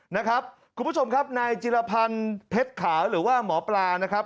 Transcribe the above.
นะครับคุณผู้ชมครับนายจิรพันธ์เพชรขาวหรือว่าหมอปลานะครับ